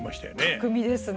巧みですね。